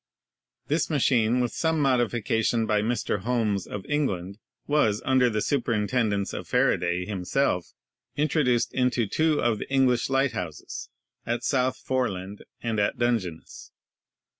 This machine, with some modifications by Mr. Holmes, of England, was, under the superintendence of Faraday; i 9 2 ELECTRICITY himself, introduced into two of the English lighthouses, at South Foreland and at Dungeness.